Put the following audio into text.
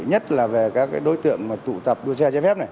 nhất là về các đối tượng tụ tập đua xe chế phép